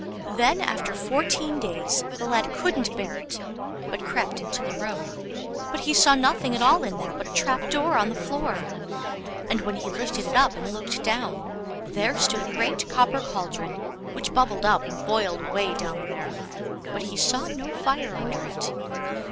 Then after fourteen days the lad couldn't bear it, but crept into the room, but he saw nothing at all in there but a trap door on the floor; and when he lifted it up and looked down, there stood a great copper cauldron which bubbled up and boiled away down there; but he saw no fire under it.